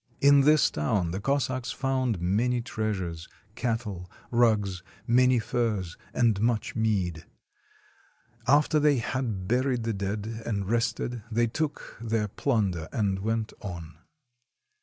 In this town the Cossacks found many treasures, cattle, rugs, many furs, and much mead. After they had buried the dead and rested, they took their plunder and went on.